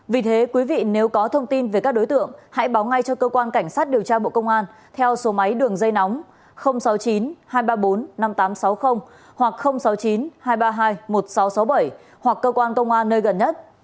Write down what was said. vì thế quý vị nếu có thông tin về các đối tượng hãy báo ngay cho cơ quan cảnh sát điều tra bộ công an theo số máy đường dây nóng sáu mươi chín hai trăm ba mươi bốn năm nghìn tám trăm sáu mươi hoặc sáu mươi chín hai trăm ba mươi hai một nghìn sáu trăm sáu mươi bảy hoặc cơ quan công an nơi gần nhất